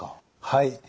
はい。